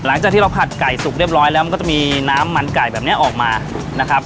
หลังจากที่เราผัดไก่สุกเรียบร้อยแล้วมันก็จะมีน้ำมันไก่แบบนี้ออกมานะครับ